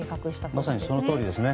まさにそのとおりですね。